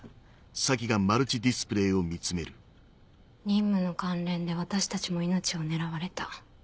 任務の関連で私たちも命を狙われた。